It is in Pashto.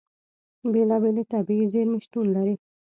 بېلابېلې طبیعي زیرمې شتون لري.